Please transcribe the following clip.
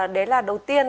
đấy là đầu tiên